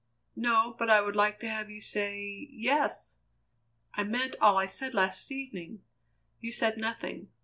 "No. But I would like to have you say yes! I meant all I said last evening; you said nothing.